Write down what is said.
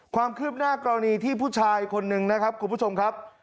ความคืบหน้ากรณีที่ผู้ชายคนหนึ่งนะครับคุณผู้ชมครับ